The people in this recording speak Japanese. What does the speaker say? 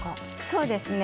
そうですね。